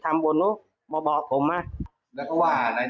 ถ้าไม่มีกินยังไงก็ต้องมาเมืองไทยอีกนั่นแหละ